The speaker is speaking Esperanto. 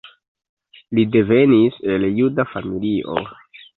Li devenis el juda familio.